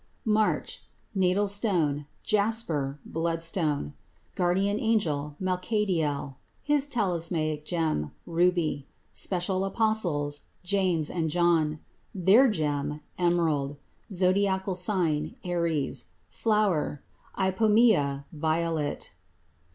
MARCH Natal stone Jasper, bloodstone. Guardian Angel Malchediel. His talismanic gem Ruby. Special apostles James and John. Their gem Emerald. Zodiacal sign Aries. Flower Ipomœa, violet.